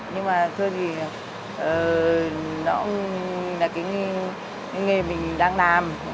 nhưng mà xưa thì nó cũng là cái nghề mình đang làm